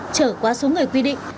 chở quá số người quy định